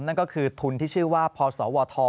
นั่นก็คือทุนที่ชื่อว่าพศวท